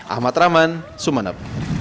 ahmad rahman sumeneb